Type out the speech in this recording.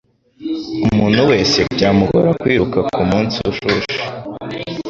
Umuntu wese byamugora kwiruka kumunsi ushushe